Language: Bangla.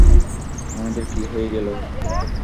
আমাদের কি হয়ে গেলো?